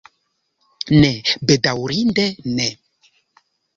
Ne, bedaŭrinde ne.